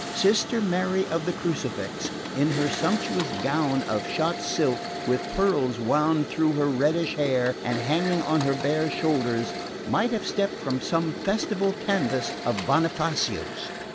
Sister Mary of the Crucifix, in her sumptuous gown of shot silk, with pearls wound through her reddish hair and hanging on her bare shoulders, might have stepped from some festal canvas of Bonifazio's.